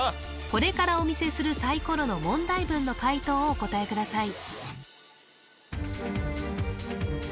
これからお見せするサイコロの問題文の解答をお答えください